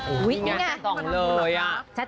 แข่งปิ่นแดงต่อเลยอะ